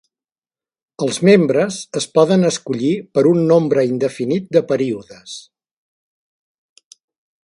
Els membres es poden escollir per un nombre indefinit de períodes.